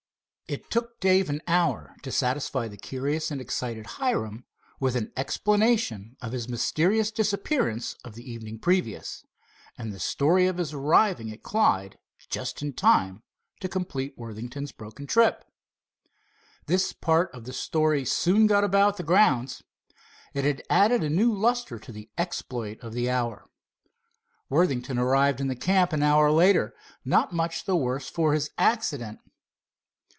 It took Dave an hour to satisfy the curious and excited Hiram with an explanation of his mysterious disappearance of the evening previous, and the story of his arriving at Clyde just in time to complete Worthington's broken trip. This part of the story soon got about the grounds. It added a new lustre to the exploit of the hour. Worthington arrived in the camp an hour later, not much the worse for his accident.